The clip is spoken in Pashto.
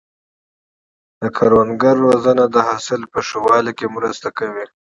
د کروندګرو روزنه د حاصل په ښه والي کې مرسته کوي.